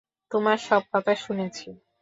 তোমার সব কথা শুনেছি।